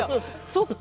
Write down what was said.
そっか。